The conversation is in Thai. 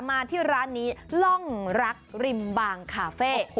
มาที่ร้านนี้ล่องรักริมบางคาเฟ่